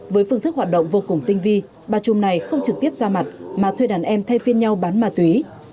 với phương thức hoạt động vô cùng tinh vi bà trung này không trực tiếp ra mặt mà thuê đàn em thay phiên nhau bán ma túy